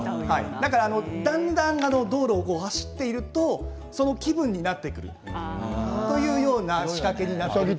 だんだん道路を走っているとその気分になってくるというような仕掛けになっています。